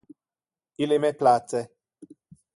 Ille me place.